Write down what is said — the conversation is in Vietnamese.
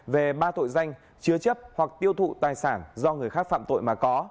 về ba tội danh chứa chấp hoặc tiêu thụ tài sản do người khác phạm tội mà có